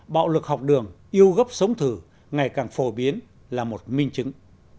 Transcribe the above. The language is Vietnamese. bạo lực học đường yêu gốc sống thử ngày càng phổ biến là một minh chứng